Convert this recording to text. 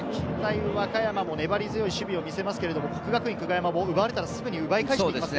近大和歌山も粘り強い守備を見せますけれど國學院久我山も奪われたらすぐに奪い返してきますね。